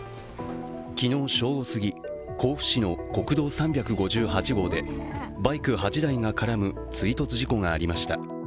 昨日正午すぎ甲府市の国道３５８号でバイク８台が絡む追突事故がありました。